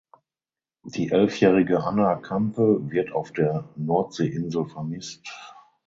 Die elfjährige Anna Kampe wird auf der Nordseeinsel vermisst.